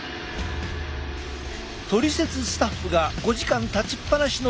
「トリセツ」スタッフが５時間立ちっぱなしのデスクワークをして。